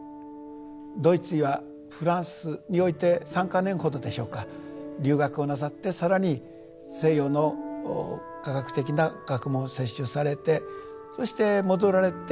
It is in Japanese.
ドイツやフランスにおいて３か年ほどでしょうか留学をなさって更に西洋の科学的な学問を摂取されてそして戻られて。